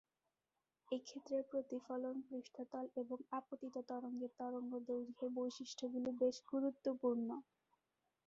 এক্ষেত্রে প্রতিফলন পৃষ্ঠতল এবং আপতিত তরঙ্গের তরঙ্গদৈর্ঘ্যের বৈশিষ্ট্যগুলো বেশ গুরুত্বপূর্ণ।